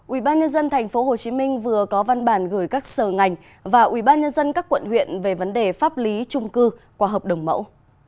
ubnd tp hcm vừa có văn bản gửi các sở ngành và ubnd các quận huyện về vấn đề pháp lý trung cư qua hợp đồng mẫu